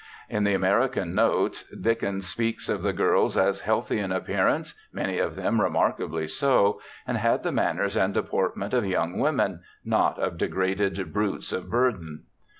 In the American Notes Dickens speaks of the girls as 'healthy in appearance, many of them remarkably so, and had the manners and deportment of young women, not of degraded brutes of burden.'